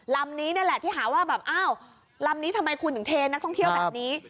ลำนี้นี่แหละที่หาว่าแบบอ้าวลำนี้ทำไมคุณถึงเทนักท่องเที่ยวแบบนี้